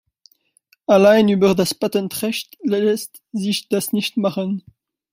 Allein über das Patentrecht lässt sich das nicht machen.